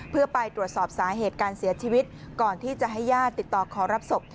เพื่อไปตรวจสอบสาเหตุการเสียชีวิตก่อนที่จะให้ญาติติดต่อขอรับศพ